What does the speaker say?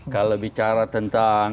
kalau bicara tentang